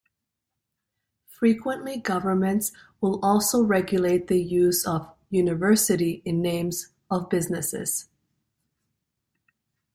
Frequently governments will also regulate the use of "university" in names of businesses.